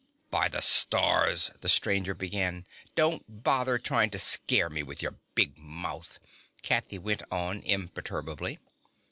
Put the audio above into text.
"By the Stars " the stranger began. "Don't bother trying to scare me with your big mouth," Kathy went on imperturbably.